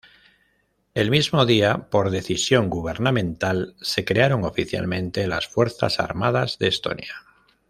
El mismo día por decisión gubernamental, se crearon oficialmente las Fuerzas armadas de Estonia.